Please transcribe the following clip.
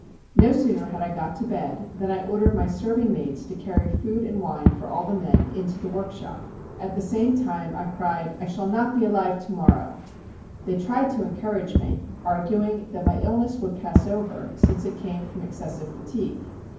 No sooner had I got to bed than I ordered my serving maids to carry food and wine for all the men into the workshop; at the same time I cried, "I shall not be alive to morrow." They tried to encourage me, arguing that my illness would pass over, since it came from excessive fatigue.